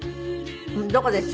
どこです？